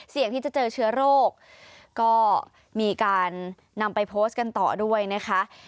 ที่จะเจอเชื้อโรคก็มีการนำไปโพสต์กันต่อด้วยนะคะ